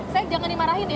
saya jangan dimarahin ya